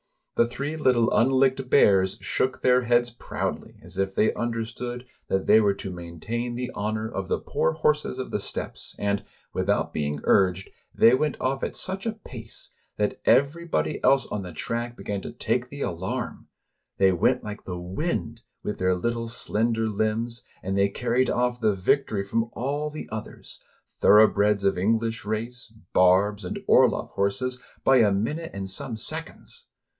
The three little unlicked bears shook their heads proudly, as if they understood that they were to main tain the honor of the poor horse of the steppes, and, without being urged, they went off at such a pace that everybody else on the track began to take the alarm; they went Hke the wind, with their little, slender limbs, and they carried off the victory from all the others, — thoroughbreds of English race, barbs, and Orloff horses, — by a minute and some seconds